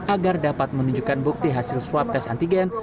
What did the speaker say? agar dapat menunjukkan bukti hasil swab tes antigen